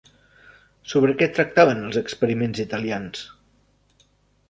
Sobre què tractaven els experiments italians?